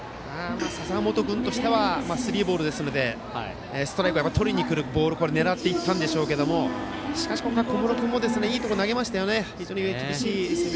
笹本君としてはスリーボールですのでストライクをとりにくるボールを狙ったんでしょうけどしかし小室君もいいところ投げましたね。